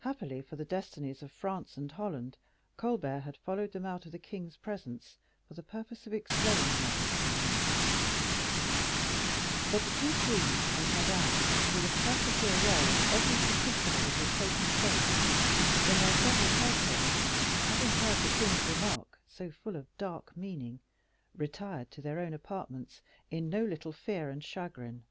Happily for the destinies of France and Holland, Colbert had followed them out of the king's presence for the purpose of explaining matters to them; but the two queens and Madame, who were perfectly aware of every particular that had taken place in their several households, having heard the king's remark, so full of dark meaning, retired to their own apartments in no little fear and chagrin.